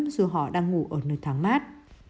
dù họ đang ngủ ở nơi tháng mát